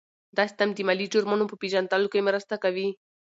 دا سیستم د مالي جرمونو په پېژندلو کې مرسته کوي.